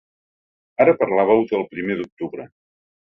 Ara parlàveu del primer d’octubre.